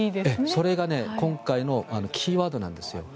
それが今回のキーワードなんです。